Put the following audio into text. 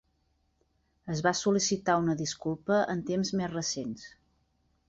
Es va sol·licitar una disculpa en temps més recents.